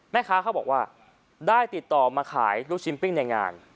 เขาบอกว่าได้ติดต่อมาขายลูกชิ้นปิ้งในงาน